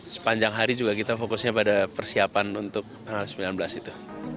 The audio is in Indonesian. sepanjang hari juga kita fokusnya pada persiapan untuk tanggal sembilan belas itu